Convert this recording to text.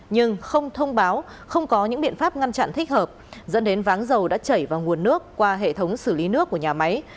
nhưng không thông báo không có những biện pháp ngăn chặn thích hợp dẫn đến váng dầu đã chảy vào nguồn nước qua hệ thống xử lý nước của nhà máy